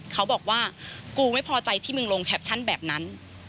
เขาบอกว่ากูไม่พอใจที่มึงลงแคปชั่นแบบนั้น